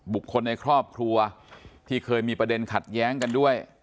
บุคคลในครอบครัวที่เคยมีประเด็นขัดแย้งกันด้วย